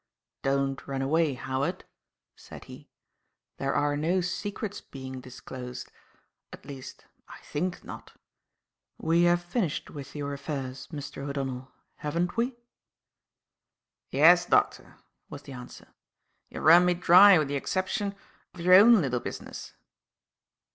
"Don't run away, Howard," said he. "There are no secrets being disclosed at least, I think not. We have finished with your affairs, Mr. O'Donnell, haven't we?" "Yes, doctor," was the answer; "you've run me dry with the exception of your own little business."